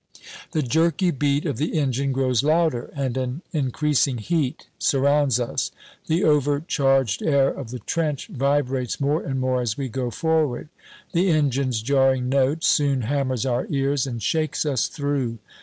The jerky beat of the engine grows louder, and an increasing heat surrounds us. The overcharged air of the trench vibrates more and more as we go forward. The engine's jarring note soon hammers our ears and shakes us through.